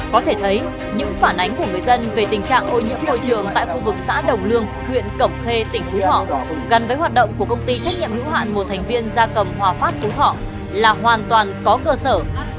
có thể thấy những phản ánh của người dân về tình trạng ô nhiễm môi trường tại khu vực xã đồng lương huyện cẩm khê tỉnh phú thọ gần với hoạt động của công ty trách nhiệm hữu hạn một thành viên gia cầm hòa phát phú thọ là hoàn toàn có cơ sở